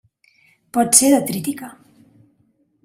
Pot ser detrítica.